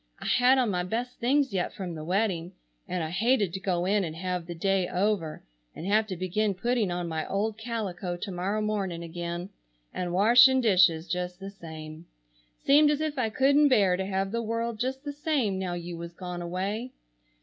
I had on my best things yet from the wedding, and I hated to go in and have the day over and have to begin putting on my old calico to morrow morning again, and washing dishes just the same. Seemed as if I couldn't bear to have the world just the same now you was gone away.